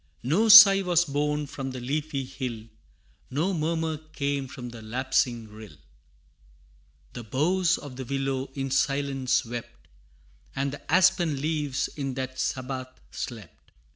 No sigh was borne from the leafy hill, No murmur came from the lapsing rill; The boughs of the willow in silence wept, And the aspen leaves in that sabbath slept.